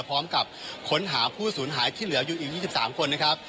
พร้อมกับค้นหาผู้สูญหายที่เหลืออยู่อีก๒๓คนนะครับ